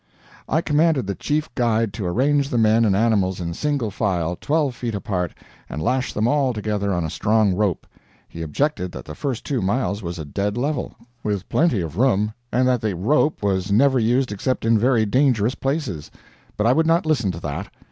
I commanded the chief guide to arrange the men and animals in single file, twelve feet apart, and lash them all together on a strong rope. He objected that the first two miles was a dead level, with plenty of room, and that the rope was never used except in very dangerous places. But I would not listen to that.